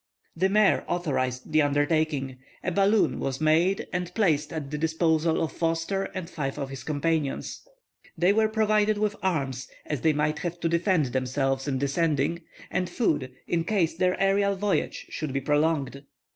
The Mayor authorized the undertaking, a balloon was made and placed at the disposal of Forster and five of his companions. They were provided with arms as they might have to defend themselves in descending, and food in case their aerial voyage should be prolonged.